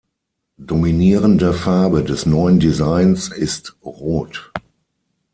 Dominierende Farbe des neuen Designs ist rot.